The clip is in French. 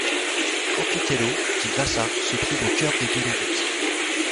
Campitello di Fassa se trouve au cœur des Dolomites.